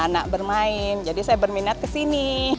anak bermain jadi saya berminat ke sini